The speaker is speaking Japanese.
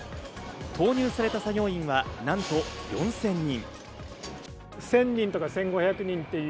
投入された作業員はなんと４０００人。